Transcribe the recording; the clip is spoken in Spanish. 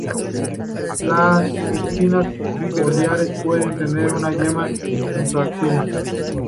Las espinas foliares pueden tener una yema en su axila.